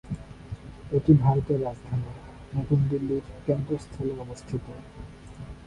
এটি ভারতের রাজধানী নতুন দিল্লির কেন্দ্রস্থলে অবস্থিত।